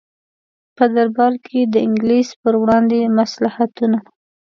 په دربار کې د انګلیس پر وړاندې مصلحتونه.